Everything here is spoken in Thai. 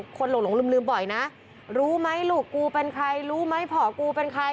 หลงลืมบ่อยนะรู้ไหมลูกกูเป็นใครรู้ไหมพ่อกูเป็นใคร